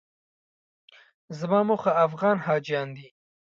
زما موخه افغان حاجیان دي.